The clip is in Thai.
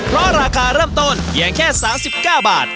เพราะราคาเริ่มต้นอย่างแค่สามสิบก้าบาท